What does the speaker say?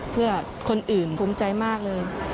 เพื่อคนอื่นภูมิใจมากเลย